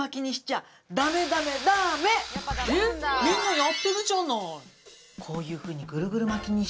みんなやってるじゃない。